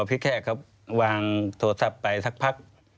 พี่แค่เขาวางโทรศัพท์ไปสักพัก